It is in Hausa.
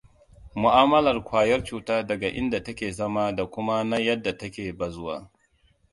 Mu’amalar kwayar cuta daga inda take zama da kuma na yadda take bazuwa.